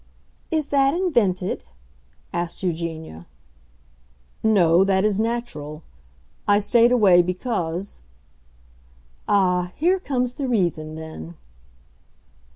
"Is that invented?" asked Eugenia. "No, that is natural. I stayed away because——" "Ah, here comes the reason, then!"